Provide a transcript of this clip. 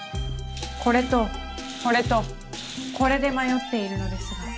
これとこれとこれで迷っているのですが。